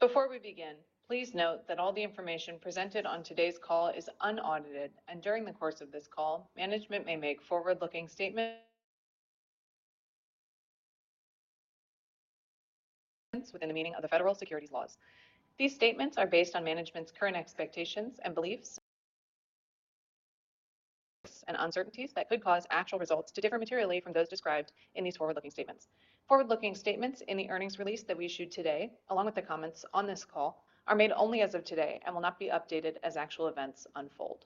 Before we begin, please note that all the information presented on today's call is unaudited, and during the course of this call, management may make forward-looking statements within the meaning of the federal securities laws. These statements are based on management's current expectations and beliefs, and uncertainties that could cause actual results to differ materially from those described in these forward-looking statements. Forward-looking statements in the earnings release that we issued today, along with the comments on this call, are made only as of today and will not be updated as actual events unfold.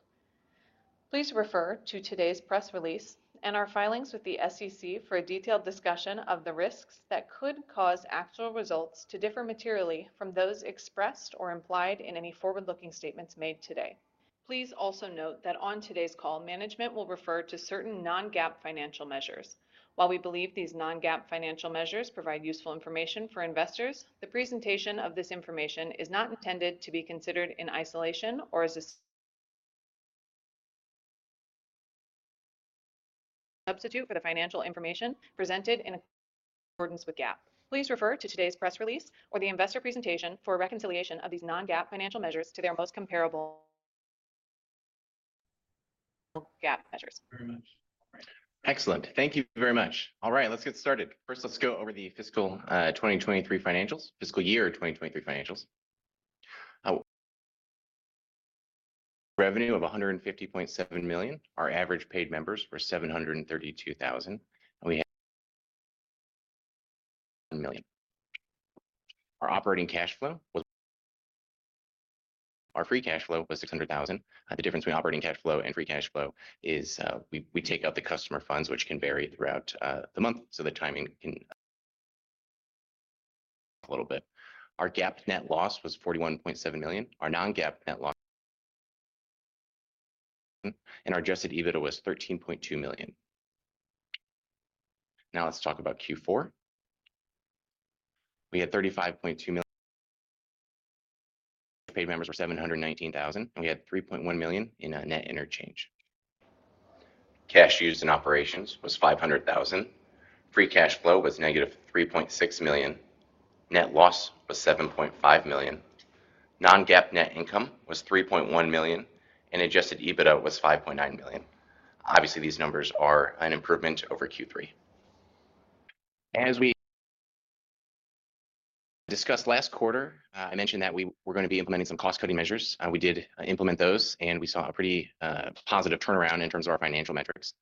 Please refer to today's press release and our filings with the SEC for a detailed discussion of the risks that could cause actual results to differ materially from those expressed or implied in any forward-looking statements made today. Please also note that on today's call, management will refer to certain non-GAAP financial measures. While we believe these non-GAAP financial measures provide useful information for investors, the presentation of this information is not intended to be considered in isolation or as a substitute for the financial information presented in accordance with GAAP. Please refer to today's press release or the investor presentation for a reconciliation of these non-GAAP financial measures to their most comparable GAAP measures. Very much. Excellent. Thank you very much. All right, let's get started. First, let's go over the fiscal 2023 financials, fiscal year 2023 financials. Revenue of $150.7 million. Our average paid members were 732,000, and we had 1 million. Our operating cash flow was. Our free cash flow was $600,000. The difference between operating cash flow and free cash flow is, we take out the customer funds, which can vary throughout the month, so the timing can a little bit. Our GAAP net loss was $41.7 million. Our Non-GAAP net loss, and our Adjusted EBITDA was $13.2 million. Now let's talk about Q4. We had $35.2 million. Paid members were 719,000, and we had $3.1 million in net interchange. Cash used in operations was $500,000. Free cash flow was -$3.6 million. Net loss was $7.5 million. Non-GAAP net income was $3.1 million, and adjusted EBITDA was $5.9 million. Obviously, these numbers are an improvement over Q3. As we discussed last quarter, I mentioned that we were gonna be implementing some cost-cutting measures, and we did implement those, and we saw a pretty positive turnaround in terms of our financial metrics.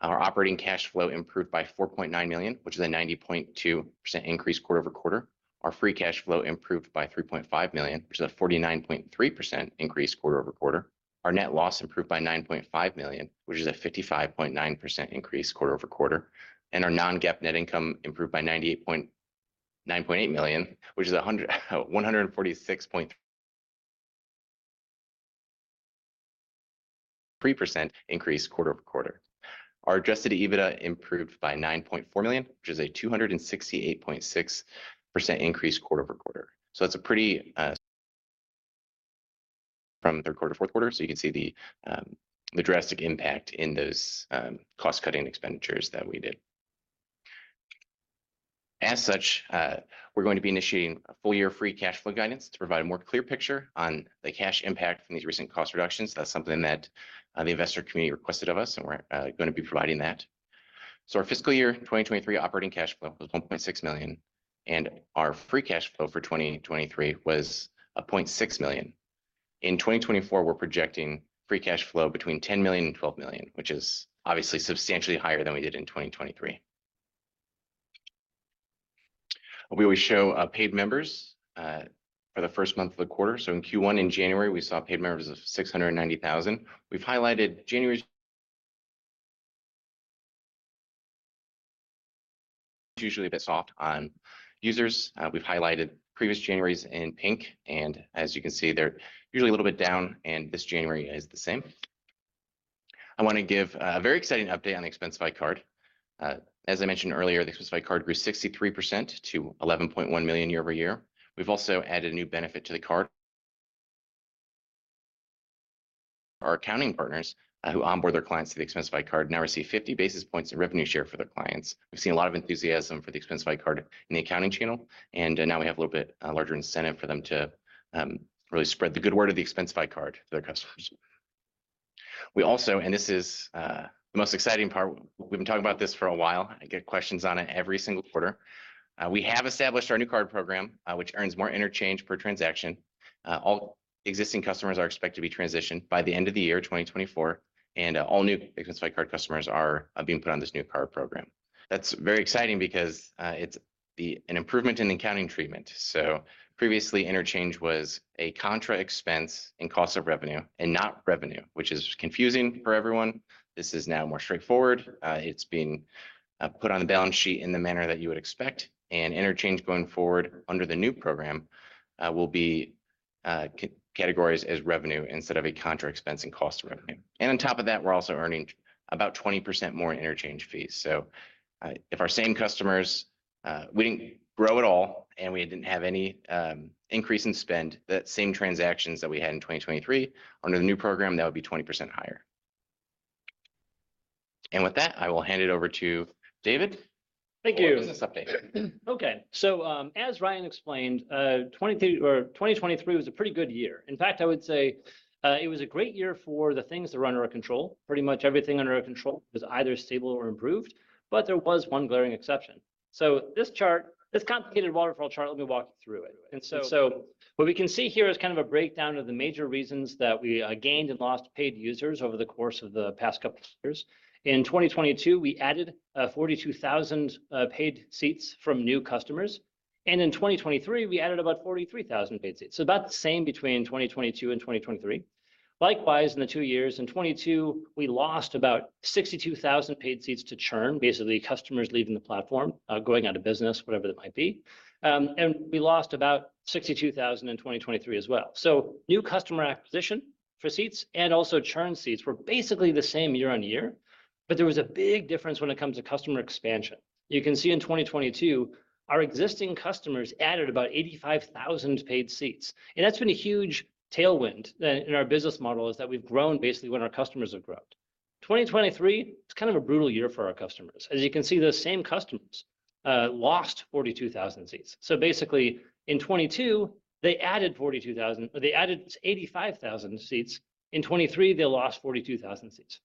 Our operating cash flow improved by $4.9 million, which is a 90.2% increase quarter-over-quarter. Our free cash flow improved by $3.5 million, which is a 49.3% increase quarter-over-quarter. Our net loss improved by $9.5 million, which is a 55.9% increase quarter-over-quarter. Our non-GAAP net income improved by $98.8 million, which is a 146.3% increase quarter-over-quarter. Our adjusted EBITDA improved by $9.4 million, which is a 268.6% increase quarter-over-quarter. So that's a pretty from third quarter, fourth quarter, so you can see the drastic impact in those cost-cutting expenditures that we did. As such, we're going to be initiating a full year free cash flow guidance to provide a more clear picture on the cash impact from these recent cost reductions. That's something that the investor community requested of us, and we're gonna be providing that. So our fiscal year 2023 operating cash flow was $1.6 million, and our free cash flow for 2023 was a $0.6 million. In 2024, we're projecting free cash flow between $10 million and $12 million, which is obviously substantially higher than we did in 2023. We always show paid members for the first month of the quarter. So in Q1, in January, we saw paid members of 690,000. We've highlighted January. It's usually a bit soft on users. We've highlighted previous Januaries in pink, and as you can see, they're usually a little bit down, and this January is the same. I wanna give a very exciting update on the Expensify Card. As I mentioned earlier, the Expensify Card grew 63% to $11.1 million year-over-year. We've also added a new benefit to the card. Our accounting partners who onboard their clients to the Expensify Card now receive 50 basis points in revenue share for their clients. We've seen a lot of enthusiasm for the Expensify Card in the accounting channel, and now we have a little bit larger incentive for them to really spread the good word of the Expensify Card to their customers. We also, and this is the most exciting part, we've been talking about this for a while. I get questions on it every single quarter. We have established our new card program, which earns more interchange per transaction. All existing customers are expected to be transitioned by the end of the year, 2024, and all new Expensify Card customers are being put on this new card program. That's very exciting because it's an improvement in accounting treatment. So previously, interchange was a contra expense and cost of revenue and not revenue, which is confusing for everyone. This is now more straightforward. It's being put on the balance sheet in the manner that you would expect, and interchange going forward under the new program will be categorized as revenue instead of a contra expense and cost of revenue. And on top of that, we're also earning about 20% more interchange fees. So, if our same customers, we didn't grow at all, and we didn't have any increase in spend, that same transactions that we had in 2023, under the new program, that would be 20% higher. And with that, I will hand it over to David. Thank you. For a business update. Okay. As Ryan explained, 2022 or 2023 was a pretty good year. In fact, I would say, it was a great year for the things that were under our control. Pretty much everything under our control was either stable or improved, but there was one glaring exception. So this chart, this complicated waterfall chart, let me walk you through it. So what we can see here is kind of a breakdown of the major reasons that we gained and lost paid users over the course of the past couple of years. In 2022, we added 42,000 paid seats from new customers, and in 2023, we added about 43,000 paid seats. So about the same between 2022 and 2023. Likewise, in the two years, in 2022, we lost about 62,000 paid seats to churn, basically customers leaving the platform, going out of business, whatever that might be. And we lost about 62,000 in 2023 as well. So new customer acquisition for seats and also churn seats were basically the same year-on-year, but there was a big difference when it comes to customer expansion. You can see in 2022, our existing customers added about 85,000 paid seats, and that's been a huge tailwind in, in our business model, is that we've grown basically when our customers have grown. 2023, it's kind of a brutal year for our customers. As you can see, those same customers, lost 42,000 seats. So basically, in 2022, they added 85,000 seats. In 2023, they lost 42,000 seats.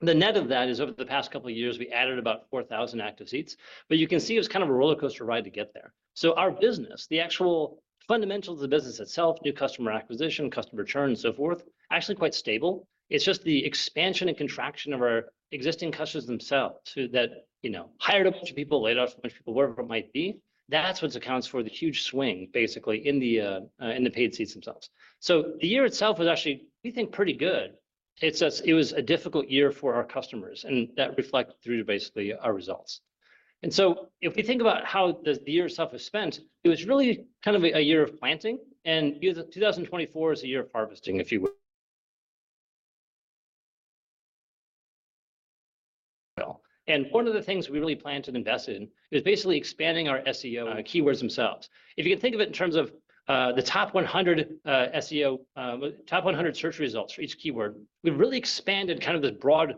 The net of that is, over the past couple of years, we added about 4,000 active seats, but you can see it was kind of a rollercoaster ride to get there. So our business, the actual fundamentals of the business itself, new customer acquisition, customer churn, and so forth, are actually quite stable. It's just the expansion and contraction of our existing customers themselves, who that, you know, hired a bunch of people, laid off a bunch of people, whatever it might be, that's what accounts for the huge swing, basically, in the paid seats themselves. So the year itself was actually, we think, pretty good. It's just, it was a difficult year for our customers, and that reflected through to basically our results. And so if we think about how the year itself was spent, it was really kind of a year of planting, and 2024 is a year of harvesting, if you will. Well, and one of the things we really planned to invest in is basically expanding our SEO and keywords themselves. If you can think of it in terms of the top 100 SEO top 100 search results for each keyword, we've really expanded kind of the broad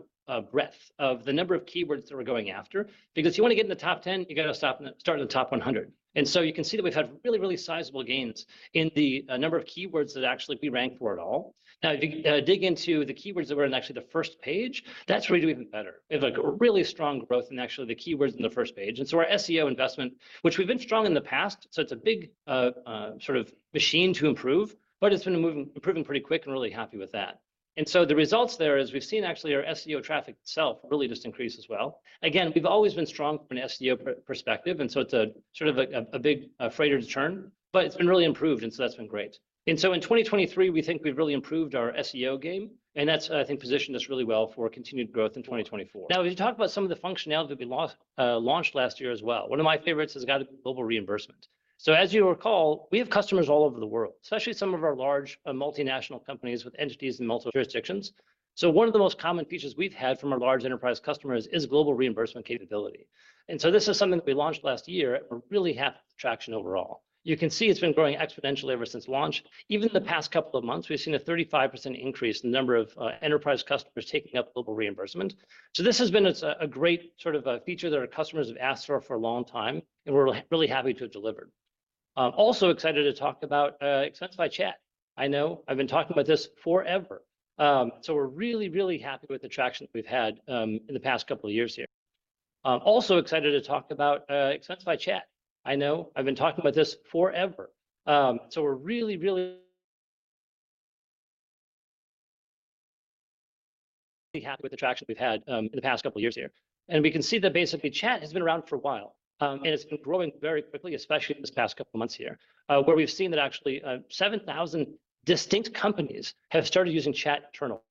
breadth of the number of keywords that we're going after, because if you wanna get in the top 10, you gotta start in the top 100. And so you can see that we've had really, really sizable gains in the number of keywords that actually we rank for at all. Now, if you dig into the keywords that were in actually the first page, that's where we do even better. We have, like, a really strong growth in actually the keywords in the first page, and so our SEO investment, which we've been strong in the past, so it's a big sort of machine to improve, but it's been moving, improving pretty quick and really happy with that. And so the results there is we've seen actually our SEO traffic itself really just increase as well. Again, we've always been strong from an SEO perspective, and so it's a sort of a big freighter to turn, but it's been really improved, and so that's been great. And so in 2023, we think we've really improved our SEO game, and that's, I think, positioned us really well for continued growth in 2024. Now, we've talked about some of the functionality that we launched, launched last year as well. One of my favorites has got to be global reimbursement. So as you recall, we have customers all over the world, especially some of our large, multinational companies with entities in multiple jurisdictions. So one of the most common features we've had from our large enterprise customers is global reimbursement capability. And so this is something that we launched last year, and we're really happy with the traction overall. You can see it's been growing exponentially ever since launch. Even the past couple of months, we've seen a 35% increase in the number of, enterprise customers taking up global reimbursement. So this has been a great sort of a feature that our customers have asked for for a long time, and we're really happy to have delivered. I'm also excited to talk about Expensify Chat. I know, I've been talking about this forever. So we're really, really happy with the traction we've had in the past couple of years here. And we can see that basically Chat has been around for a while, and it's been growing very quickly, especially in this past couple months here, where we've seen that actually, 7,000 distinct companies have started using Chat internally.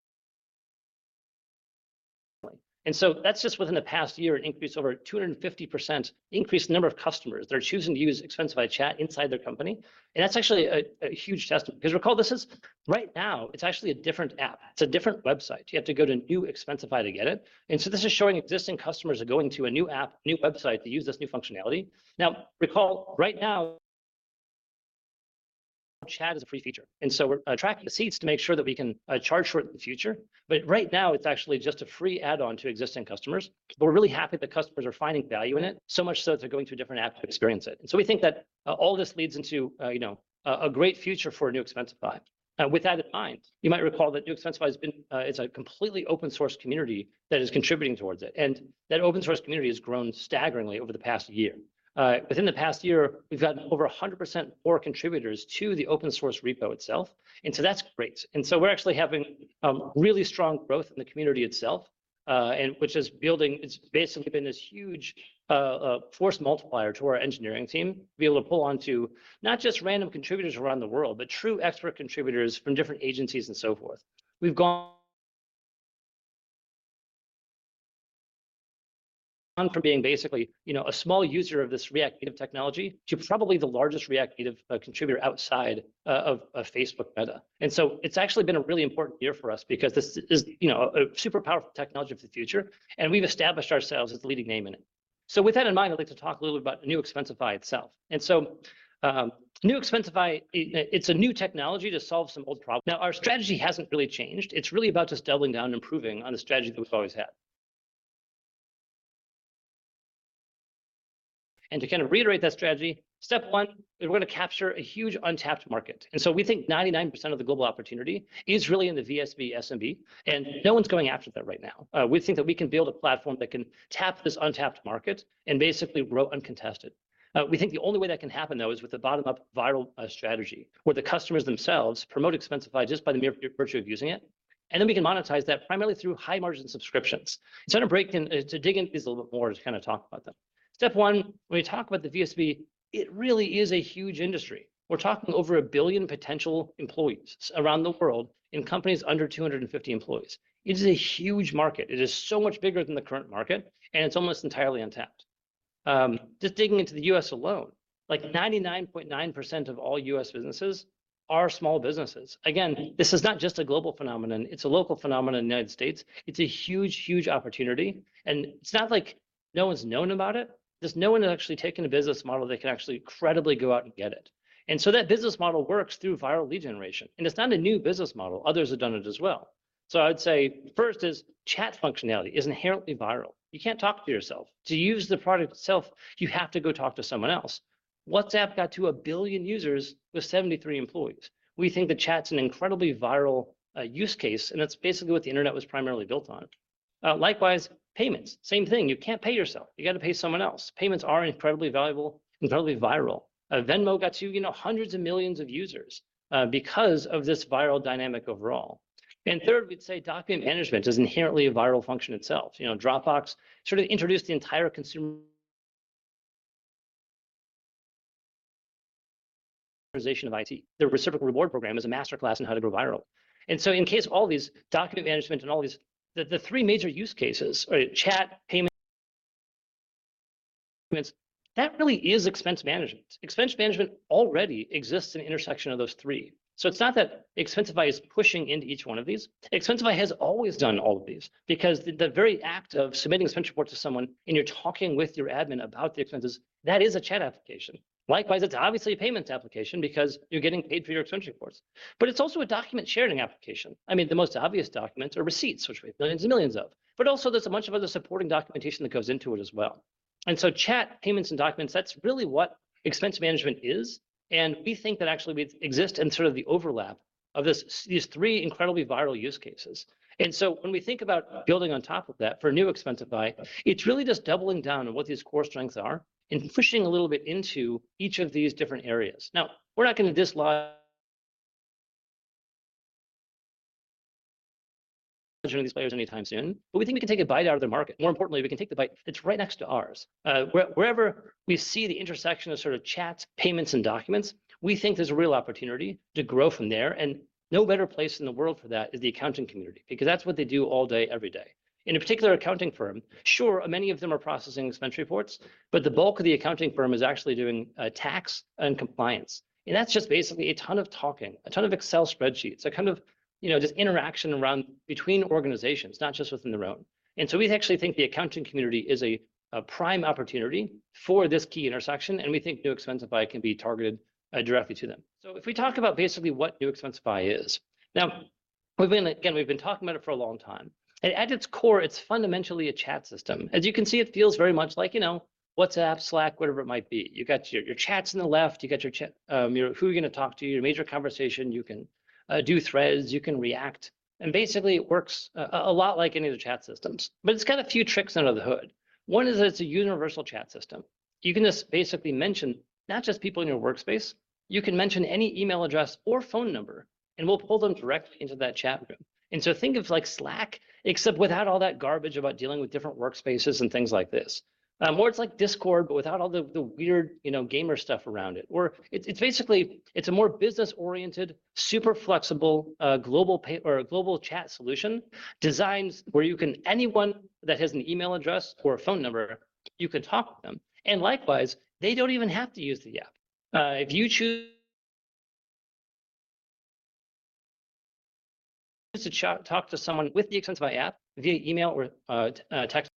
That's just within the past year, an increase of over 250% increased the number of customers that are choosing to use Expensify Chat inside their company, and that's actually a huge testament. Because, recall, this is... Right now, it's actually a different app. It's a different website. You have to go to New Expensify to get it, and this is showing existing customers are going to a new app, new website, to use this new functionality. Now, recall, right now, Chat is a free feature, and we're tracking the seats to make sure that we can charge for it in the future. But right now, it's actually just a free add-on to existing customers. But we're really happy that customers are finding value in it, so much so that they're going to a different app to experience it. And so we think that, all this leads into, you know, a great future for New Expensify. With that in mind, you might recall that New Expensify has been, it's a completely open-source community that is contributing towards it, and that open-source community has grown staggeringly over the past year. Within the past year, we've gotten over 100% more contributors to the open-source repo itself, and so that's great. And so we're actually having, really strong growth in the community itself, and which is building, it's basically been this huge, force multiplier to our engineering team, be able to pull onto not just random contributors around the world, but true expert contributors from different agencies and so forth. We've gone on from being basically, you know, a small user of this React Native technology to probably the largest React Native contributor outside of Facebook Meta. And so it's actually been a really important year for us because this is, you know, a super powerful technology for the future, and we've established ourselves as the leading name in it. So with that in mind, I'd like to talk a little bit about New Expensify itself. New Expensify, it's a new technology to solve some old problems. Now, our strategy hasn't really changed. It's really about just doubling down and improving on the strategy that we've always had. And to kind of reiterate that strategy, step one is we're gonna capture a huge untapped market. And so we think 99% of the global opportunity is really in the VSB, SMB, and no one's going after that right now. We think that we can build a platform that can tap this untapped market and basically grow uncontested. We think the only way that can happen, though, is with a bottom-up viral strategy, where the customers themselves promote Expensify just by the mere virtue of using it, and then we can monetize that primarily through high-margin subscriptions. So to break down, to dig into this a little bit more, just kinda talk about them. Step one, when we talk about the VSB, it really is a huge industry. We're talking over 1 billion potential employees around the world in companies under 250 employees. It is a huge market. It is so much bigger than the current market, and it's almost entirely untapped. Just digging into the U.S. alone, like 99.9% of all U.S. businesses are small businesses. Again, this is not just a global phenomenon, it's a local phenomenon in the United States. It's a huge, huge opportunity, and it's not like no one's known about it. Just no one has actually taken a business model that can actually credibly go out and get it. And so that business model works through viral lead generation, and it's not a new business model. Others have done it as well. So I'd say, first is chat functionality is inherently viral. You can't talk to yourself. To use the product itself, you have to go talk to someone else. WhatsApp got to 1 billion users with 73 employees. We think that chat's an incredibly viral use case, and that's basically what the internet was primarily built on. Likewise, payments, same thing. You can't pay yourself. You gotta pay someone else. Payments are incredibly valuable, incredibly viral. Venmo got to, you know, hundreds of millions of users because of this viral dynamic overall. And third, we'd say document management is inherently a viral function itself. You know, Dropbox sort of introduced the entire consumer organization of IT. Their reciprocal reward program is a masterclass in how to go viral. And so all these document management and all these, the three major use cases are chat, payments, that really is expense management. Expense management already exists in the intersection of those three. So it's not that Expensify is pushing into each one of these. Expensify has always done all of these because the very act of submitting expense reports to someone, and you're talking with your admin about the expenses, that is a chat application. Likewise, it's obviously a payments application because you're getting paid for your expense reports, but it's also a document-sharing application. I mean, the most obvious documents are receipts, which we have millions and millions of, but also there's a bunch of other supporting documentation that goes into it as well. And so chat, payments, and documents, that's really what expense management is, and we think that actually we exist in sort of the overlap of this, these three incredibly viral use cases. And so when we think about building on top of that for a New Expensify, it's really just doubling down on what these core strengths are and pushing a little bit into each of these different areas. Now, we're not gonna dislodge... any of these players anytime soon, but we think we can take a bite out of their market. More importantly, we can take the bite that's right next to ours. Wherever we see the intersection of sort of chats, payments, and documents, we think there's a real opportunity to grow from there, and no better place in the world for that is the accounting community, because that's what they do all day, every day. In a particular accounting firm, sure, many of them are processing expense reports, but the bulk of the accounting firm is actually doing tax and compliance, and that's just basically a ton of talking, a ton of Excel spreadsheets, a kind of, you know, just interaction around between organizations, not just within their own. And so we actually think the accounting community is a prime opportunity for this key intersection, and we think New Expensify can be targeted directly to them. So if we talk about basically what New Expensify is, now, we've been talking about it for a long time, and at its core, it's fundamentally a chat system. As you can see, it feels very much like, you know, WhatsApp, Slack, whatever it might be. You got your chats on the left, you got your chat, your who you're gonna talk to, your major conversation. You can do threads, you can react, and basically it works a lot like any of the chat systems, but it's got a few tricks under the hood. One is that it's a universal chat system. You can just basically mention not just people in your workspace, you can mention any email address or phone number, and we'll pull them directly into that chat room. And so think of like Slack, except without all that garbage about dealing with different workspaces and things like this. More it's like Discord, but without all the weird, you know, gamer stuff around it. Or it's basically a more business-oriented, super flexible, global pay or a global chat solution, designed where you can—anyone that has an email address or a phone number, you can talk with them. And likewise, they don't even have to use the app. If you choose to chat, talk to someone with the Expensify app via email or text,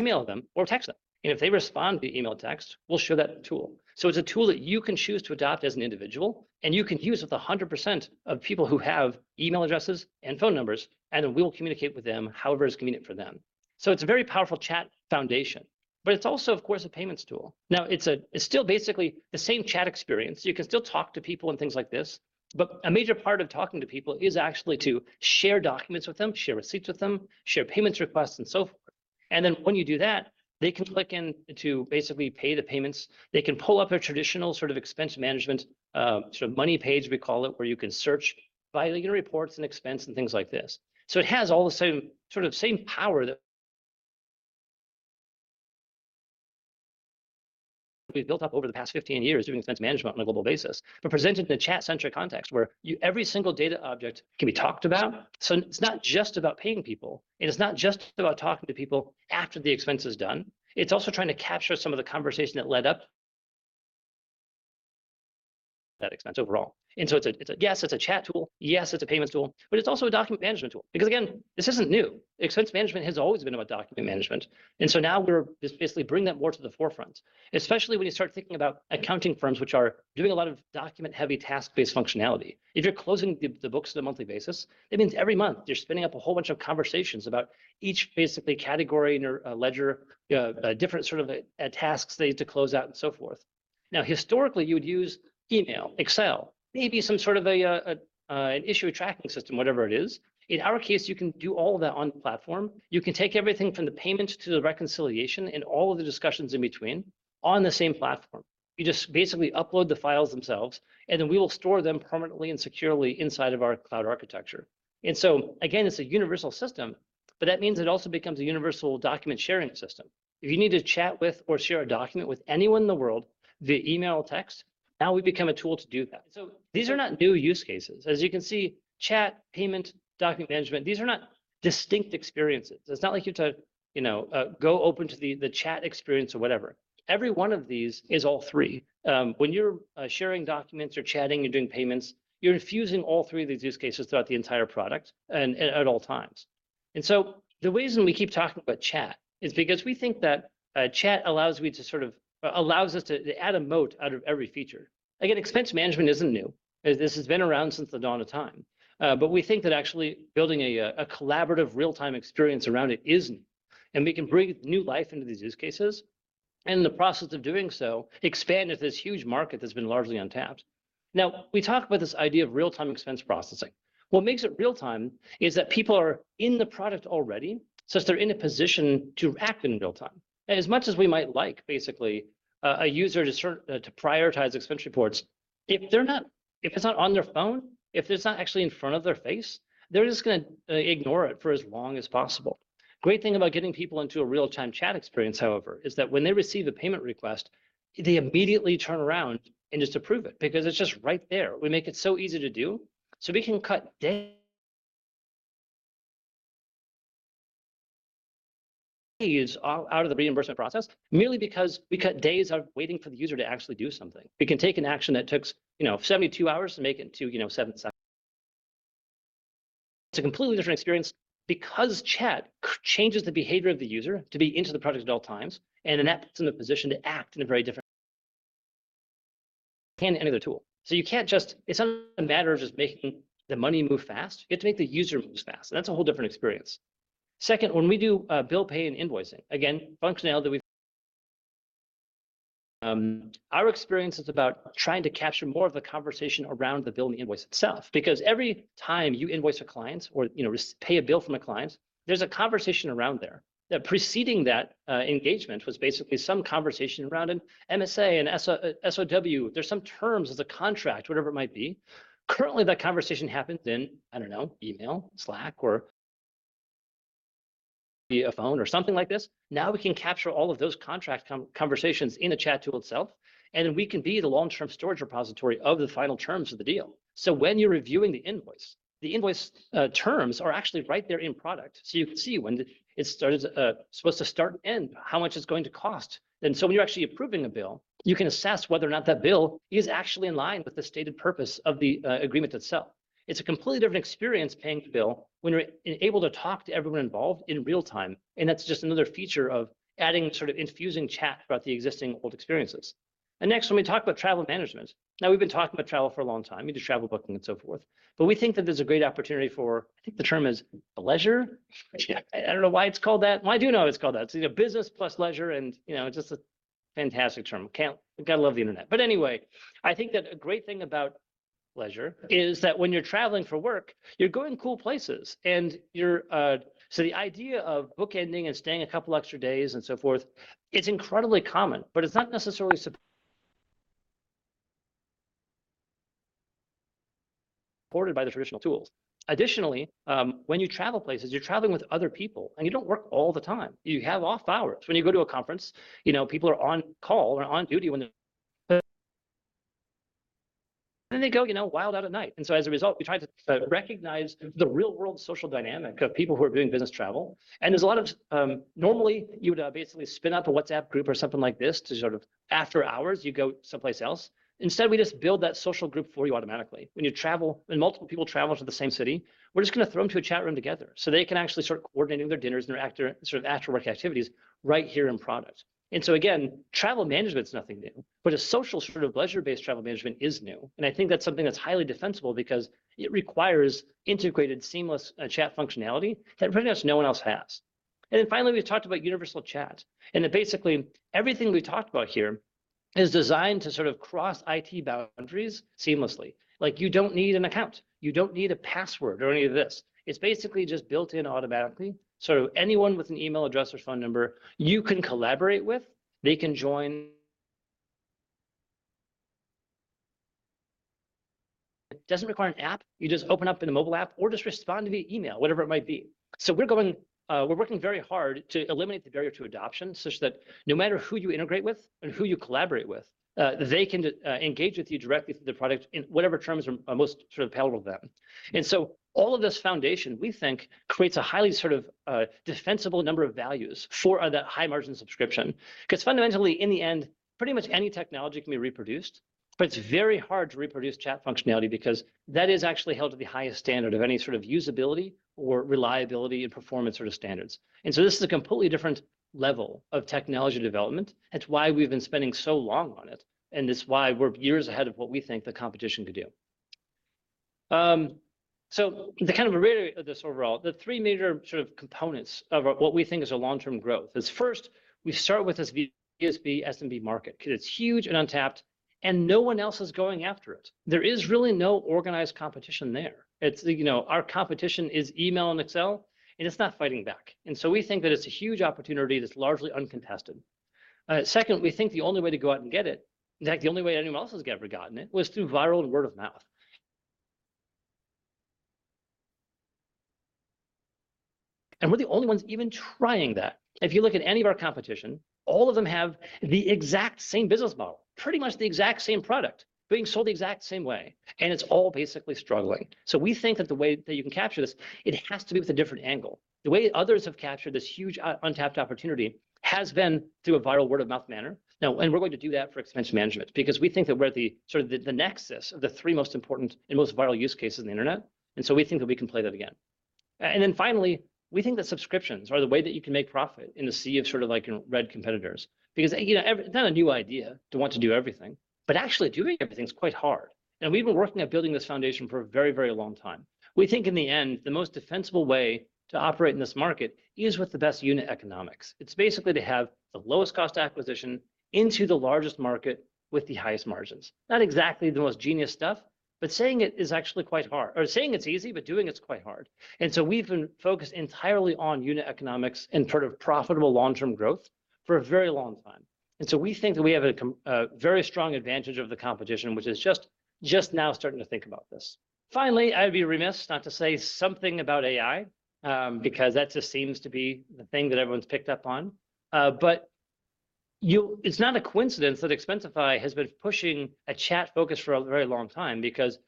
email them or text them, and if they respond via email or text, we'll show that tool. So it's a tool that you can choose to adopt as an individual, and you can use with 100% of people who have email addresses and phone numbers, and then we'll communicate with them however is convenient for them. So it's a very powerful chat foundation, but it's also, of course, a payments tool. Now, it's still basically the same chat experience. You can still talk to people and things like this, but a major part of talking to people is actually to share documents with them, share receipts with them, share payments requests, and so forth. And then when you do that, they can click in to basically pay the payments. They can pull up a traditional sort of expense management, sort of money page, we call it, where you can search by looking at reports and expense and things like this. So it has all the same, sort of same power that we've built up over the past 15 years doing expense management on a global basis, but presented in a chat-centric context where you, every single data object can be talked about. So it's not just about paying people, and it's not just about talking to people after the expense is done. It's also trying to capture some of the conversation that led up to that expense overall. And so it's a yes, it's a chat tool. Yes, it's a payment tool, but it's also a document management tool, because again, this isn't new. Expense management has always been about document management, and so now we're just basically bringing that more to the forefront, especially when you start thinking about accounting firms, which are doing a lot of document-heavy, task-based functionality. If you're closing the books on a monthly basis, it means every month you're spinning up a whole bunch of conversations about each basically category in your ledger, different sort of tasks they need to close out and so forth. Now, historically, you would use email, Excel, maybe some sort of an issue tracking system, whatever it is. In our case, you can do all of that on the platform. You can take everything from the payment to the reconciliation and all of the discussions in between on the same platform. You just basically upload the files themselves, and then we will store them permanently and securely inside of our cloud architecture. And so, again, it's a universal system, but that means it also becomes a universal document sharing system. If you need to chat with or share a document with anyone in the world via email or text, now we've become a tool to do that. So these are not new use cases. As you can see, chat, payment, document management, these are not distinct experiences. It's not like you have to, you know, go open to the chat experience or whatever. Every one of these is all three. When you're sharing documents or chatting and doing payments, you're infusing all three of these use cases throughout the entire product and at all times. And so the reason we keep talking about chat is because we think that chat allows us to add a moat out of every feature. Again, expense management isn't new, as this has been around since the dawn of time. But we think that actually building a collaborative, real-time experience around it is new, and we can bring new life into these use cases, and in the process of doing so, expand into this huge market that's been largely untapped. Now, we talked about this idea of real-time expense processing. What makes it real time is that people are in the product already, so they're in a position to act in real time. As much as we might like, basically, a user to prioritize expense reports, if it's not on their phone, if it's not actually in front of their face, they're just gonna ignore it for as long as possible. Great thing about getting people into a real-time chat experience, however, is that when they receive a payment request, they immediately turn around and just approve it because it's just right there. We make it so easy to do, so we can cut days out of the reimbursement process merely because we cut days out of waiting for the user to actually do something. We can take an action that takes, you know, 72 hours to make it to, you know, 7 seconds. It's a completely different experience because chat changes the behavior of the user to be into the product at all times, and then that's in a position to act in a very different... than any other tool. So you can't just. It's not a matter of just making the money move fast. You have to make the user move fast, and that's a whole different experience. Second, when we do bill pay and invoicing, again, functionality that we... Our experience is about trying to capture more of the conversation around the bill and the invoice itself because every time you invoice a client or, you know, pay a bill from a client, there's a conversation around there. That preceding that, engagement was basically some conversation around an MSA, an SOW. There's some terms as a contract, whatever it might be. Currently, that conversation happens in, I don't know, email, Slack, or via phone or something like this. Now, we can capture all of those contract conversations in a chat tool itself, and we can be the long-term storage repository of the final terms of the deal. So when you're reviewing the invoice, the invoice terms are actually right there in product. So you can see when it started, supposed to start and end, how much it's going to cost. And so when you're actually approving a bill, you can assess whether or not that bill is actually in line with the stated purpose of the agreement itself. It's a completely different experience paying the bill when you're able to talk to everyone involved in real time, and that's just another feature of adding, sort of infusing chat throughout the existing old experiences. Next, when we talk about travel management, now we've been talking about travel for a long time, you know, travel booking and so forth, but we think that there's a great opportunity for, I think the term is bleisure. I don't know why it's called that. Well, I do know why it's called that. It's, you know, business plus bleisure, and, you know, it's just a fantastic term. You gotta love the internet. Anyway, I think that a great thing about bleisure is that when you're traveling for work, you're going cool places, and you're... So the idea of bookending and staying a couple extra days and so forth, it's incredibly common, but it's not necessarily supported by the traditional tools. Additionally, when you travel places, you're traveling with other people, and you don't work all the time. You have off hours. When you go to a conference, you know, people are on call or on duty when they... Then they go, you know, wild out at night. And so as a result, we try to recognize the real-world social dynamic of people who are doing business travel, and there's a lot of. Normally, you would basically spin up a WhatsApp group or something like this to sort of, after hours, you go someplace else. Instead, we just build that social group for you automatically. When you travel, when multiple people travel to the same city, we're just gonna throw them to a chat room together, so they can actually start coordinating their dinners and their after, sort of after-work activities right here in product. And so again, travel management is nothing new, but a social sort of bleisure-based travel management is new, and I think that's something that's highly defensible because it requires integrated, seamless, chat functionality that pretty much no one else has. And then finally, we've talked about universal chat, and that basically everything we talked about here is designed to sort of cross IT boundaries seamlessly. Like, you don't need an account. You don't need a password or any of this. It's basically just built in automatically, so anyone with an email address or phone number, you can collaborate with, they can join. It doesn't require an app. You just open up in a mobile app or just respond to the email, whatever it might be. So we're going, we're working very hard to eliminate the barrier to adoption, such that no matter who you integrate with and who you collaborate with, they can engage with you directly through the product in whatever terms are, are most sort of palatable to them. And so all of this foundation, we think, creates a highly sort of defensible number of values for that high-margin subscription. 'Cause fundamentally, in the end, pretty much any technology can be reproduced, but it's very hard to reproduce chat functionality because that is actually held to the highest standard of any sort of usability or reliability and performance sort of standards. And so this is a completely different level of technology development. That's why we've been spending so long on it, and it's why we're years ahead of what we think the competition could do. So the kind of array of this overall, the three major sort of components of our what we think is our long-term growth is, first, we start with this VSB, SMB market, 'cause it's huge and untapped, and no one else is going after it. There is really no organized competition there. It's, you know, our competition is email and Excel, and it's not fighting back. And so we think that it's a huge opportunity that's largely uncontested. Second, we think the only way to go out and get it, in fact, the only way anyone else has ever gotten it, was through viral and word of mouth. And we're the only ones even trying that. If you look at any of our competition, all of them have the exact same business model, pretty much the exact same product being sold the exact same way, and it's all basically struggling. So we think that the way that you can capture this, it has to be with a different angle. The way others have captured this huge, untapped opportunity has been through a viral word-of-mouth manner. Now, we're going to do that for expense management because we think that we're the, sort of the, the nexus of the three most important and most viral use cases on the internet, and so we think that we can play that again. And then finally, we think that subscriptions are the way that you can make profit in a sea of sort of like, red competitors. Because, you know, not a new idea to want to do everything, but actually doing everything is quite hard, and we've been working at building this foundation for a very, very long time. We think in the end, the most defensible way to operate in this market is with the best unit economics. It's basically to have the lowest cost acquisition into the largest market with the highest margins. Not exactly the most genius stuff, but saying it is actually quite hard... Or saying it's easy, but doing it is quite hard. And so we've been focused entirely on unit economics and sort of profitable long-term growth for a very long time. And so we think that we have a very strong advantage over the competition, which is just, just now starting to think about this. Finally, I'd be remiss not to say something about AI, because that just seems to be the thing that everyone's picked up on. It's not a coincidence that Expensify has been pushing a chat focus for a very long time, because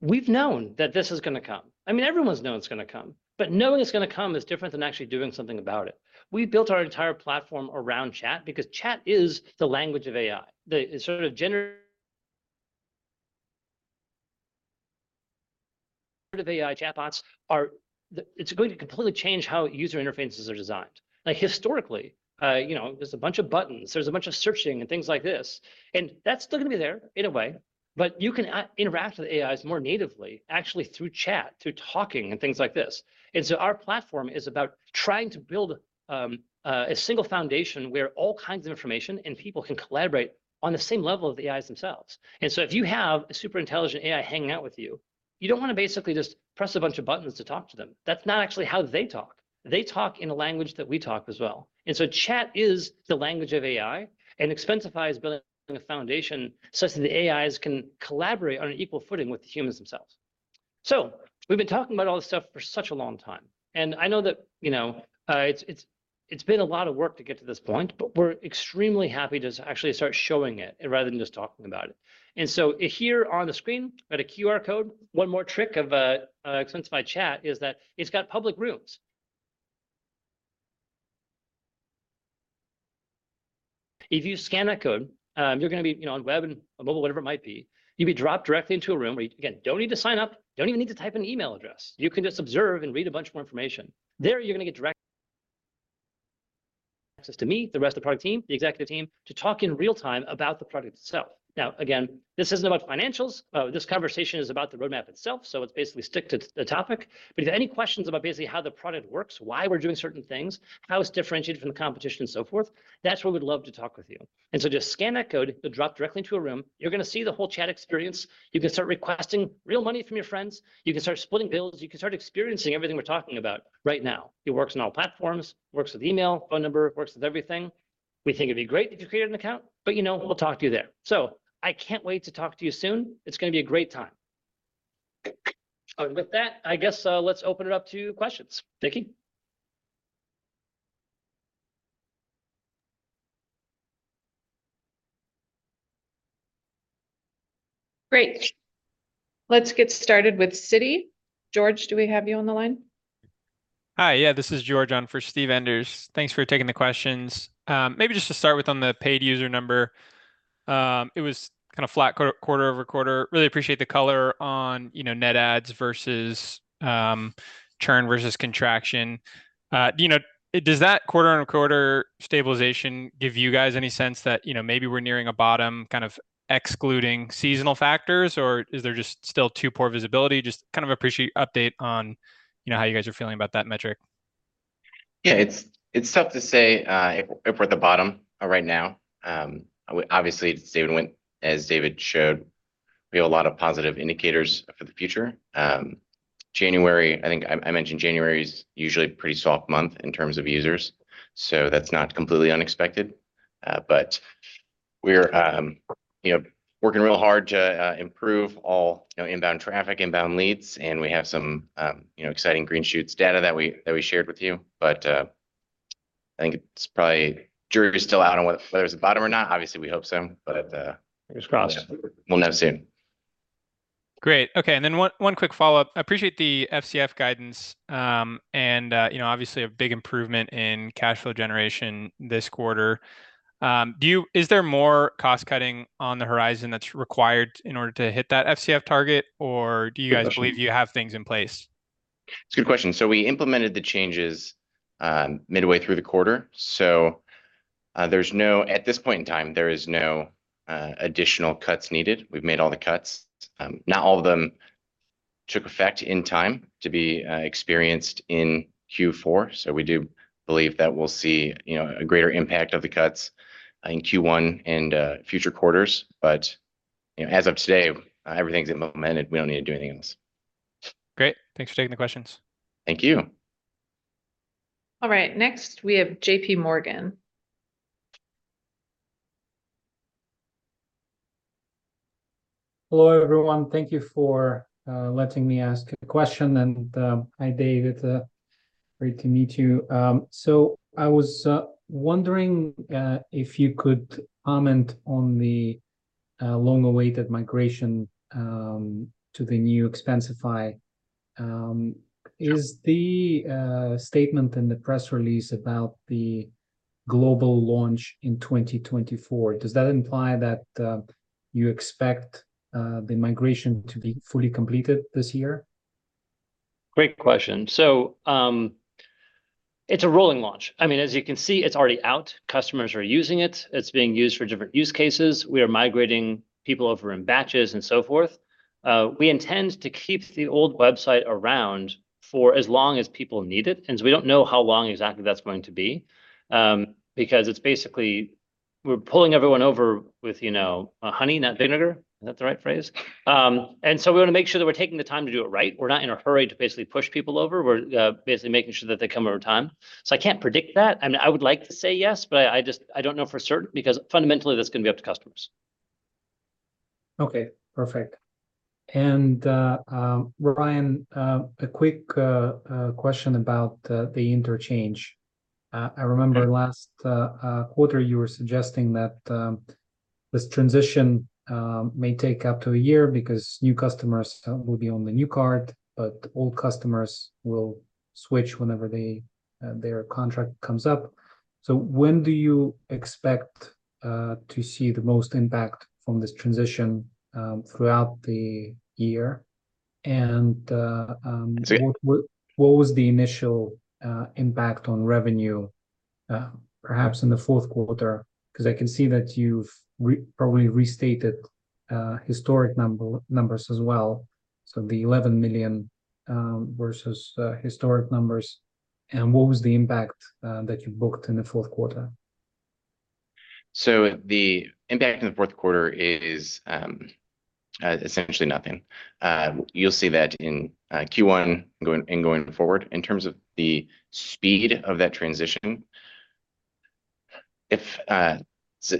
we've known that this is gonna come. I mean, everyone's known it's gonna come, but knowing it's gonna come is different than actually doing something about it. We've built our entire platform around chat because chat is the language of AI. The sort of generative AI chatbots. It's going to completely change how user interfaces are designed. Like, historically, you know, there's a bunch of buttons, there's a bunch of searching and things like this, and that's still gonna be there in a way, but you can interact with the AIs more natively, actually through chat, through talking, and things like this. And so our platform is about trying to build a single foundation where all kinds of information and people can collaborate on the same level of the AIs themselves. And so if you have a super intelligent AI hanging out with you, you don't wanna basically just press a bunch of buttons to talk to them. That's not actually how they talk. They talk in a language that we talk as well. And so chat is the language of AI, and Expensify is building a foundation such that the AIs can collaborate on an equal footing with the humans themselves. So we've been talking about all this stuff for such a long time, and I know that, you know, it's been a lot of work to get to this point, but we're extremely happy to actually start showing it rather than just talking about it. And so here on the screen, we've got a QR code. One more trick of Expensify Chat is that it's got public rooms. If you scan that code, you're gonna be, you know, on web and on mobile, whatever it might be, you'll be dropped directly into a room where you, again, don't need to sign up, don't even need to type an email address. You can just observe and read a bunch more information. There, you're gonna get direct... access to me, the rest of the product team, the executive team, to talk in real time about the product itself. Now, again, this isn't about financials. This conversation is about the roadmap itself, so let's basically stick to the topic. But if you have any questions about basically how the product works, why we're doing certain things, how it's differentiated from the competition, and so forth, that's where we'd love to talk with you. And so just scan that code. You'll drop directly into a room. You're gonna see the whole chat experience. You can start requesting real money from your friends. You can start splitting bills. You can start experiencing everything we're talking about right now. It works on all platforms, works with email, phone number, works with everything. We think it'd be great if you created an account, but, you know, we'll talk to you there. I can't wait to talk to you soon. It's gonna be a great time. With that, I guess, let's open it up to questions. Nicki? Great. Let's get started with Citi. George, do we have you on the line? Hi. Yeah, this is George on for Steve Enders. Thanks for taking the questions. Maybe just to start with on the paid user number, it was kinda flat quarter-over-quarter. Really appreciate the color on, you know, net adds versus churn versus contraction. You know, does that quarter-over-quarter stabilization give you guys any sense that, you know, maybe we're nearing a bottom, kind of excluding seasonal factors, or is there just still too poor visibility? Just kind of appreciate update on, you know, how you guys are feeling about that metric. Yeah, it's tough to say if we're at the bottom right now. Obviously, as David showed, we have a lot of positive indicators for the future. January, I think I mentioned, January is usually a pretty soft month in terms of users, so that's not completely unexpected.... but we're, you know, working real hard to improve all, you know, inbound traffic, inbound leads, and we have some, you know, exciting green shoots data that we, that we shared with you. But, I think it's probably jury's still out on whether it flares at the bottom or not. Obviously, we hope so, but, Fingers crossed. We'll know soon. Great. Okay, and then one quick follow-up. I appreciate the FCF guidance, and, you know, obviously a big improvement in cash flow generation this quarter. Is there more cost-cutting on the horizon that's required in order to hit that FCF target? Or do you guys- Good question... believe you have things in place? It's a good question. We implemented the changes midway through the quarter, so at this point in time, there is no additional cuts needed. We've made all the cuts. Not all of them took effect in time to be experienced in Q4, so we do believe that we'll see, you know, a greater impact of the cuts in Q1 and future quarters. You know, as of today, everything's implemented. We don't need to do anything else. Great. Thanks for taking the questions. Thank you. All right, next we have J.P. Morgan. Hello, everyone. Thank you for letting me ask a question, and hi, David, great to meet you. So I was wondering if you could comment on the long-awaited migration to the New Expensify. Is the statement in the press release about the global launch in 2024 does that imply that you expect the migration to be fully completed this year? Great question. So, it's a rolling launch. I mean, as you can see, it's already out. Customers are using it. It's being used for different use cases. We are migrating people over in batches and so forth. We intend to keep the old website around for as long as people need it, and so we don't know how long exactly that's going to be. Because it's basically we're pulling everyone over with, you know, honey, not vinegar. Is that the right phrase? And so we wanna make sure that we're taking the time to do it right. We're not in a hurry to basically push people over. We're basically making sure that they come over time. I can't predict that, and I would like to say yes, but I, I just, I don't know for certain, because fundamentally, that's gonna be up to customers. Okay. Perfect. And, Ryan, a quick question about the interchange. I remember- Yeah... last quarter, you were suggesting that this transition may take up to a year because new customers will be on the new card, but old customers will switch whenever their contract comes up. So when do you expect to see the most impact from this transition throughout the year? And- Sure... what was the initial impact on revenue, perhaps in the fourth quarter? 'Cause I can see that you've probably restated historic numbers as well, so the $11 million versus historic numbers. And what was the impact that you booked in the fourth quarter? So the impact in the fourth quarter is essentially nothing. You'll see that in Q1 going, and going forward. In terms of the speed of that transition,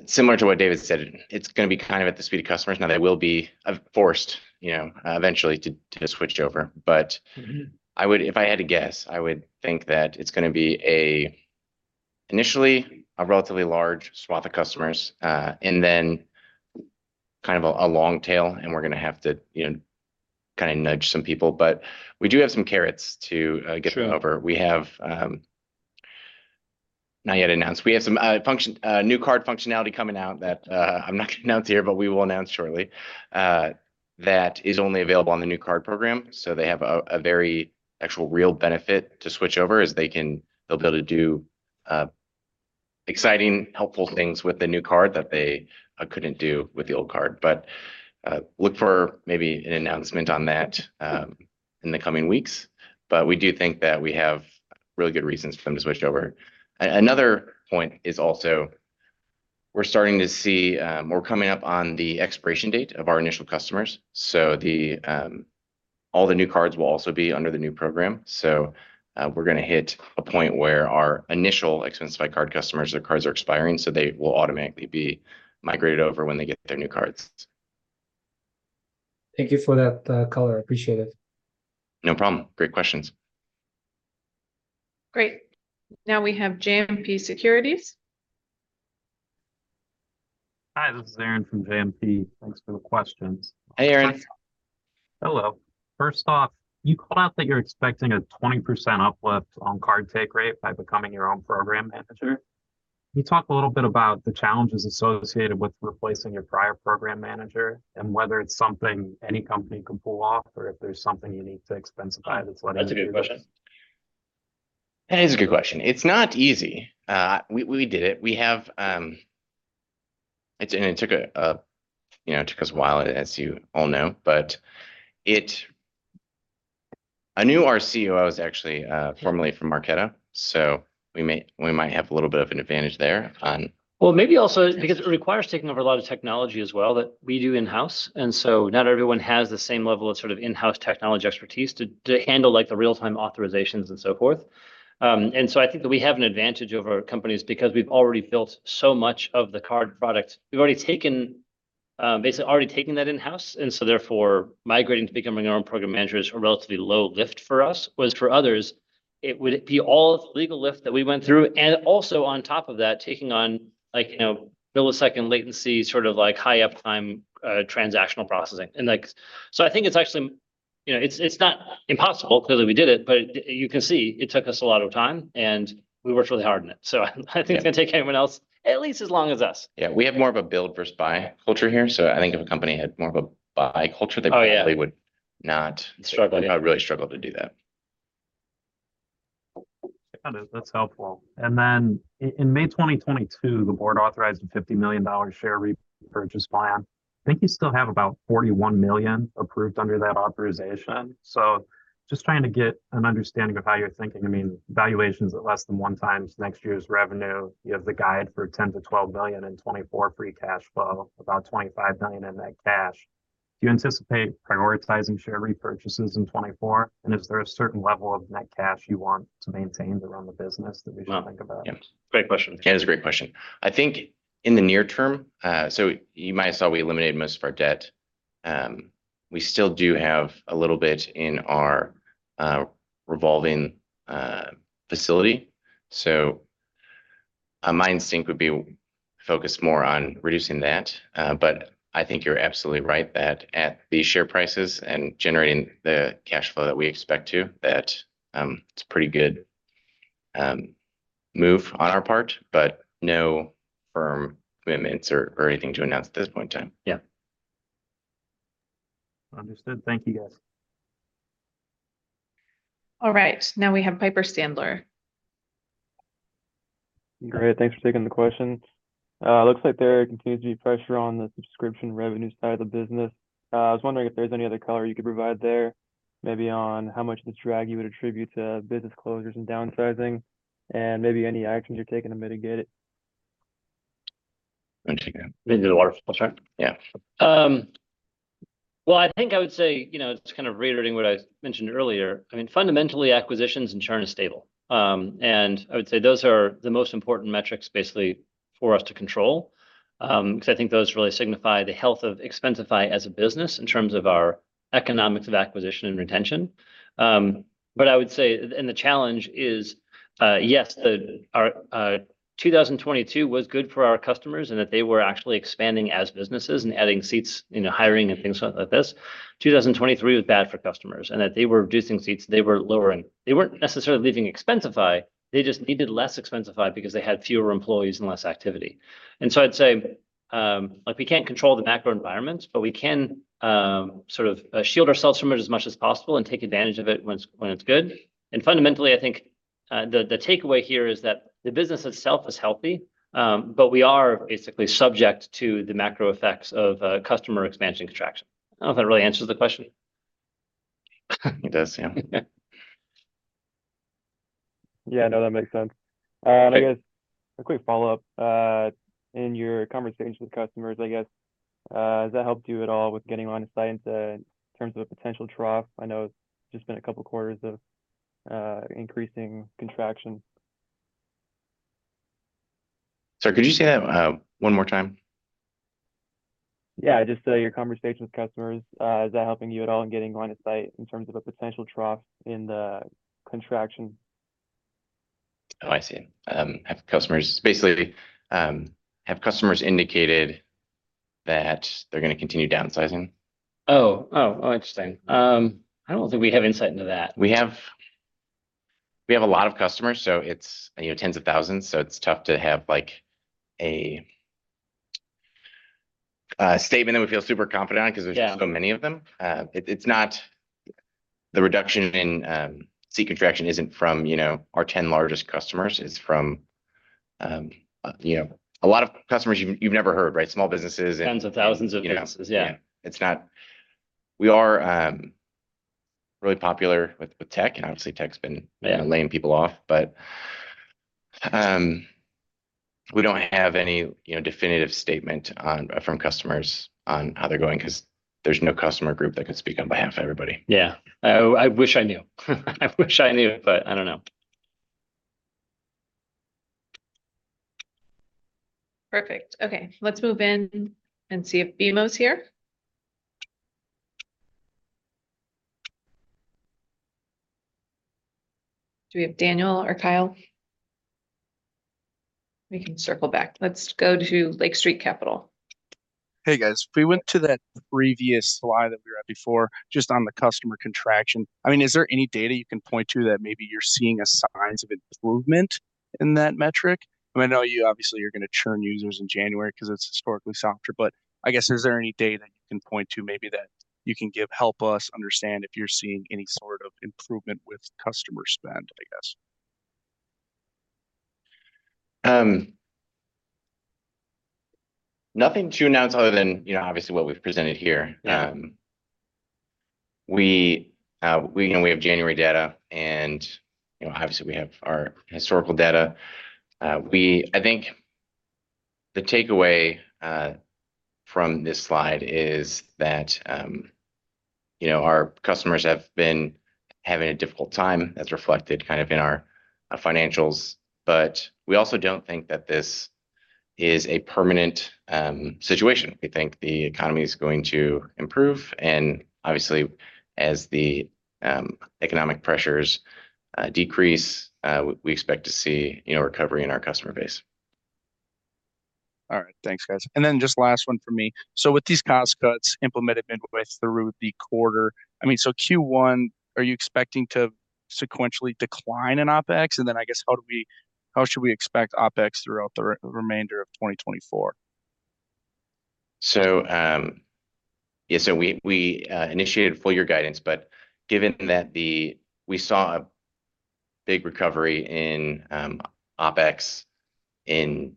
similar to what David said, it's gonna be kind of at the speed of customers. Now, they will be forced, you know, eventually to have switched over. But- Mm-hmm... I would, if I had to guess, I would think that it's gonna be a, initially, a relatively large swath of customers, and then kind of a long tail, and we're gonna have to, you know, kind of nudge some people. But we do have some carrots to get them over. Sure. We have not yet announced, we have some new card functionality coming out that I'm not gonna announce here, but we will announce shortly, that is only available on the new card program. So they have a very actual real benefit to switch over, as they can- they'll be able to do exciting, helpful things with the new card that they couldn't do with the old card. But look for maybe an announcement on that in the coming weeks. But we do think that we have really good reasons for them to switch over. Another point is also we're starting to see, we're coming up on the expiration date of our initial customers, so all the new cards will also be under the new program. So, we're gonna hit a point where our initial Expensify Card customers, their cards are expiring, so they will automatically be migrated over when they get their new cards. Thank you for that, color. I appreciate it. No problem. Great questions. Great. Now we have JMP Securities. Hi, this is Aaron from JMP. Thanks for the questions. Hey, Aaron. Hello. First off, you called out that you're expecting a 20% uplift on card take rate by becoming your own program manager. Can you talk a little bit about the challenges associated with replacing your prior program manager, and whether it's something any company can pull off, or if there's something unique to Expensify that's letting you do this? That's a good question. That is a good question. It's not easy. We did it. We have it, and it took us a while, you know, as you all know. But our new CRO was actually formerly from Marqeta, so we may have a little bit of an advantage there on- Well, maybe also because it requires taking over a lot of technology as well that we do in-house, and so not everyone has the same level of sort of in-house technology expertise to handle, like, the real-time authorizations and so forth. And so I think that we have an advantage over companies because we've already built so much of the card product. We've already basically taken that in-house, and so therefore migrating to becoming our own program managers a relatively low lift for us. Whereas for others, it would be all legal lift that we went through, and also on top of that, taking on, like, you know, millisecond latency, sort of like high uptime, transactional processing. Like, so I think it's actually, you know, it's, it's not impossible, clearly we did it, but you can see it took us a lot of time, and we worked really hard on it. So I think it's gonna take everyone else at least as long as us. Yeah, we have more of a build versus buy culture here. I think if a company had more of a buy culture- Oh, yeah... they probably would not- Struggle, yeah Probably struggle to do that. Got it. That's helpful. And then in May 2022, the board authorized a $50 million share repurchase plan. I think you still have about $41 million approved under that authorization. So just trying to get an understanding of how you're thinking. I mean, valuations at less than 1x next year's revenue. You have the guide for $10 million-$12 million in 2024 free cash flow, about $25 million in net cash. Do you anticipate prioritizing share repurchases in 2024? And is there a certain level of net cash you want to maintain to run the business that we should think about? Yeah. Great question. Yeah, it's a great question. I think in the near term, so you might saw we eliminated most of our debt. We still do have a little bit in our, revolving, facility. So my instinct would be focused more on reducing that. But I think you're absolutely right that at these share prices and generating the cash flow that we expect to, that, it's pretty good, move on our part, but no firm commitments or, or anything to announce at this point in time. Yeah. Understood. Thank you, guys. All right, now we have Piper Sandler. Great, thanks for taking the questions. It looks like there continues to be pressure on the subscription revenue side of the business. I was wondering if there's any other color you could provide there, maybe on how much of the drag you would attribute to business closures and downsizing, and maybe any actions you're taking to mitigate it? I see. We did a lot of sure. Yeah. Well, I think I would say, you know, just kind of reiterating what I mentioned earlier, I mean, fundamentally, acquisitions and churn is stable. And I would say those are the most important metrics basically for us to control. Because I think those really signify the health of Expensify as a business in terms of our economics of acquisition and retention. But I would say... And the challenge is, yes, our 2022 was good for our customers, and that they were actually expanding as businesses and adding seats, you know, hiring and things like this. 2023 was bad for customers, and that they were reducing seats, they were lowering. They weren't necessarily leaving Expensify, they just needed less Expensify because they had fewer employees and less activity. And so I'd say, like, we can't control the macro environment, but we can sort of shield ourselves from it as much as possible and take advantage of it when it's good. And fundamentally, I think, the takeaway here is that the business itself is healthy, but we are basically subject to the macro effects of customer expansion and contraction. I don't know if that really answers the question. It does, yeah. Yeah, no, that makes sense. I guess a quick follow-up. In your conversation with customers, I guess, has that helped you at all with getting line of sight into in terms of a potential trough? I know it's just been a couple quarters of increasing contraction. Sorry, could you say that one more time? Yeah, just, your conversation with customers, is that helping you at all in getting line of sight in terms of a potential trough in the contraction? Oh, I see. Have customers... Basically, have customers indicated that they're gonna continue downsizing? Oh, oh, oh, interesting. I don't think we have insight into that. We have a lot of customers, so it's, you know, tens of thousands, so it's tough to have, like, a statement that we feel super confident in- Yeah... 'cause there's just so many of them. It's not the reduction in seat contraction isn't from, you know, our 10 largest customers. It's from, you know, a lot of customers you've never heard, right? Small businesses and- Tens of thousands of businesses. You know? Yeah. Yeah. It's not... We are really popular with tech, and obviously tech's been- Yeah... laying people off. But, we don't have any, you know, definitive statement on, from customers on how they're going, 'cause there's no customer group that can speak on behalf of everybody. Yeah. I wish I knew. I wish I knew, but I don't know. Perfect. Okay, let's move in and see if BMO's here. Do we have Daniel or Kyle? We can circle back. Let's go to Lake Street Capital. Hey, guys. If we went to that previous slide that we were at before, just on the customer contraction. I mean, is there any data you can point to that maybe you're seeing any signs of improvement in that metric? I know you obviously you're gonna churn users in January because it's historically softer, but I guess, is there any data that you can point to maybe that you can give, help us understand if you're seeing any sort of improvement with customer spend, I guess? Nothing to announce other than, you know, obviously, what we've presented here. Yeah. We, we, you know, we have January data, and, you know, obviously, we have our historical data. I think the takeaway from this slide is that, you know, our customers have been having a difficult time, as reflected kind of in our, our financials. But we also don't think that this is a permanent situation. We think the economy is going to improve, and obviously, as the economic pressures decrease, we, we expect to see, you know, recovery in our customer base. All right, thanks, guys. And then just last one from me. So with these cost cuts implemented midway through the quarter, I mean, so Q1, are you expecting to sequentially decline in OpEx? And then I guess, how should we expect OpEx throughout the remainder of 2024? So, we initiated full year guidance, but given that the... We saw a big recovery in OpEx in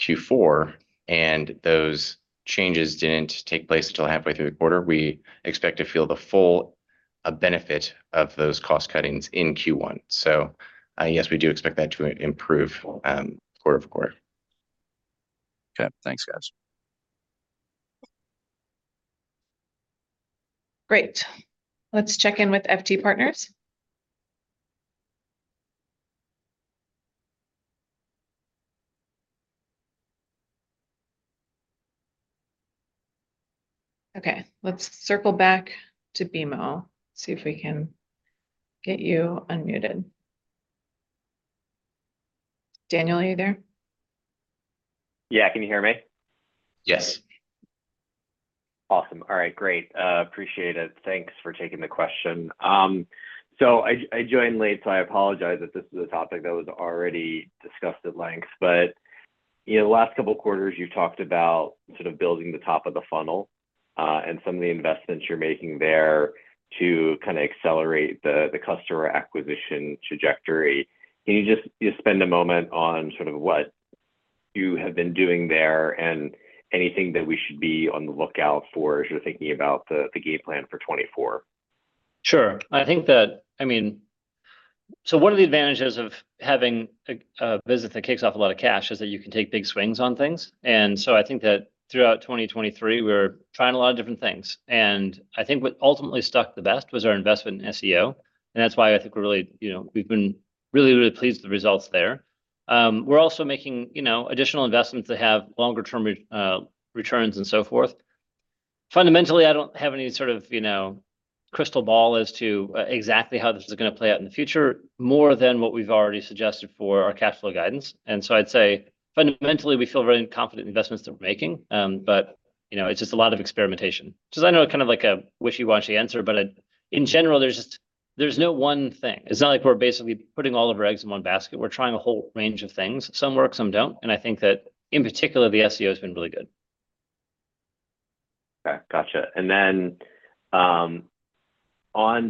Q4, and those changes didn't take place until halfway through the quarter. We expect to feel the full benefit of those cost cuttings in Q1. So, yes, we do expect that to improve quarter-over-quarter. Okay. Thanks, guys. Great. Let's check in with FT Partners. Okay, let's circle back to BMO, see if we can get you unmuted. Daniel, are you there? Yeah. Can you hear me? Yes. Awesome. All right, great. Appreciate it. Thanks for taking the question. So I joined late, so I apologize if this is a topic that was already discussed at length. But in the last couple quarters, you talked about sort of building the top of the funnel, and some of the investments you're making there to kinda accelerate the customer acquisition trajectory. Can you just spend a moment on sort of what you have been doing there, and anything that we should be on the lookout for as you're thinking about the game plan for 2024? Sure. I think that. I mean, so one of the advantages of having a business that kicks off a lot of cash is that you can take big swings on things. And so I think that throughout 2023, we were trying a lot of different things. And I think what ultimately stuck the best was our investment in SEO, and that's why I think we're really, you know, we've been really, really pleased with the results there. We're also making, you know, additional investments that have longer term returns, and so forth. Fundamentally, I don't have any sort of, you know, crystal ball as to exactly how this is gonna play out in the future, more than what we've already suggested for our cash flow guidance. And so I'd say, fundamentally, we feel very confident in the investments that we're making. But, you know, it's just a lot of experimentation. Which is I know kind of like a wishy-washy answer, but, in general, there's just no one thing. It's not like we're basically putting all of our eggs in one basket. We're trying a whole range of things. Some work, some don't, and I think that, in particular, the SEO has been really good. Okay, gotcha. And then, on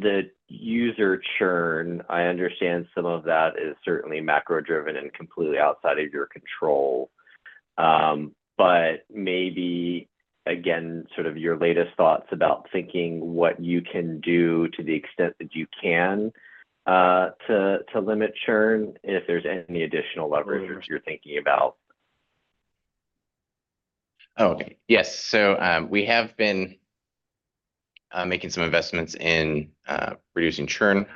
the user churn, I understand some of that is certainly macro-driven and completely outside of your control. But maybe, again, sort of your latest thoughts about thinking what you can do, to the extent that you can, to limit churn, and if there's any additional levers you're thinking about. Oh, yes. So, we have been making some investments in reducing churn.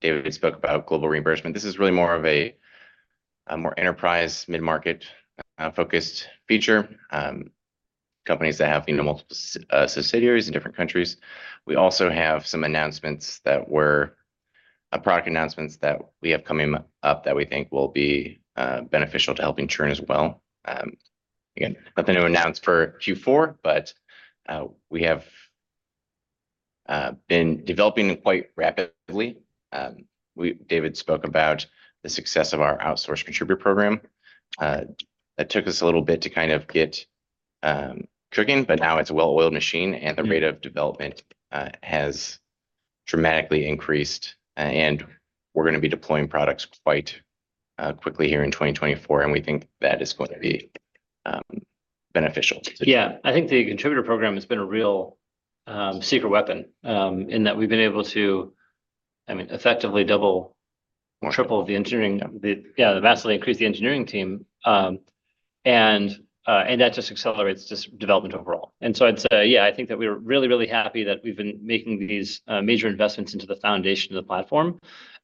David spoke about global reimbursement. This is really more of a more enterprise, mid-market focused feature. Companies that have, you know, multiple subsidiaries in different countries. We also have some announcements that were product announcements that we have coming up, that we think will be beneficial to helping churn as well. Again, nothing to announce for Q4, but we have been developing quite rapidly. We... David spoke about the success of our outsource contributor program. That took us a little bit to kind of get clicking, but now it's a well-oiled machine, and the rate of development has dramatically increased, and we're gonna be deploying products quite quickly here in 2024, and we think that is going to be beneficial. Yeah. I think the contributor program has been a real secret weapon in that we've been able to, I mean, effectively double, triple the engineering- Yeah. Yeah, vastly increase the engineering team. And that just accelerates just development overall. And so I'd say, yeah, I think that we're really, really happy that we've been making these major investments into the foundation of the platform.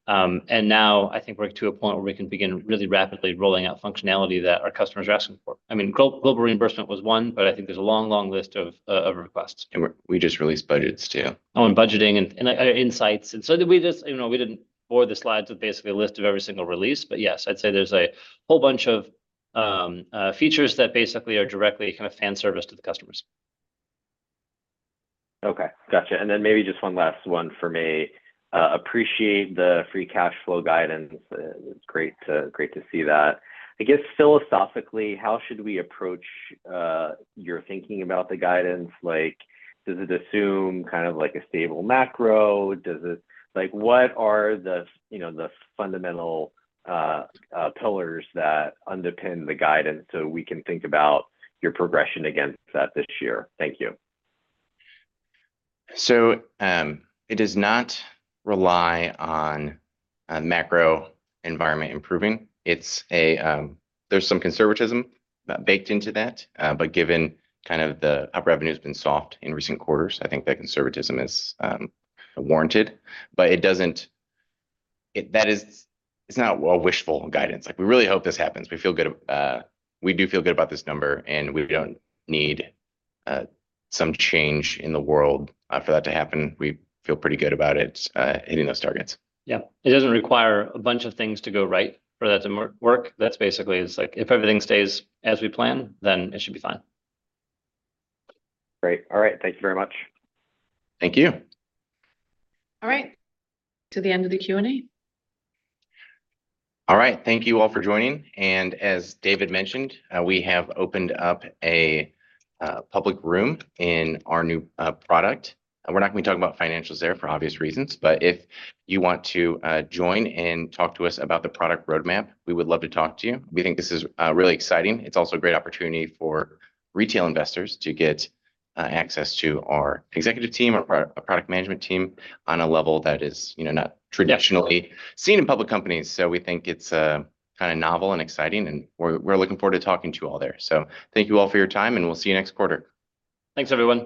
And now, I think we're to a point where we can begin really rapidly rolling out functionality that our customers are asking for. I mean, global reimbursement was one, but I think there's a long, long list of requests. We just released budgets, too. Oh, and budgeting and insights. And so did we just... You know, we didn't bore the slides with basically a list of every single release, but yes, I'd say there's a whole bunch of features that basically are directly kind of fan service to the customers. Okay, gotcha. And then maybe just one last one for me. Appreciate the free cash flow guidance. It's great to, great to see that. I guess, philosophically, how should we approach your thinking about the guidance? Like, does it assume kind of like a stable macro? Does it... Like, what are the, you know, the fundamental pillars that underpin the guidance, so we can think about your progression against that this year? Thank you. So, it does not rely on a macro environment improving. It's a... There's some conservatism baked into that, but given kind of the up revenue's been soft in recent quarters, I think that conservatism is warranted. But it doesn't, that is, it's not a wishful guidance. Like, we really hope this happens. We feel good, we do feel good about this number, and we don't need some change in the world for that to happen. We feel pretty good about it hitting those targets. Yeah. It doesn't require a bunch of things to go right for that to work. That's basically, it's like, if everything stays as we plan, then it should be fine. Great. All right, thank you very much. Thank you. All right, to the end of the Q&A. All right. Thank you all for joining, and as David mentioned, we have opened up a public room in our new product. We're not gonna be talking about financials there, for obvious reasons, but if you want to join and talk to us about the product roadmap, we would love to talk to you. We think this is really exciting. It's also a great opportunity for retail investors to get access to our executive team, our product management team, on a level that is, you know, not traditionally- Yeah... seen in public companies. So we think it's kind of novel and exciting, and we're looking forward to talking to you all there. So thank you all for your time, and we'll see you next quarter. Thanks, everyone.